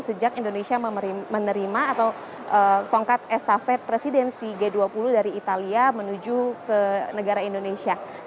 sejak indonesia menerima atau tongkat estafet presidensi g dua puluh dari italia menuju ke negara indonesia